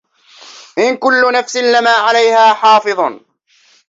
إِنْ كُلُّ نَفْسٍ لَمَّا عَلَيْهَا حَافِظٌ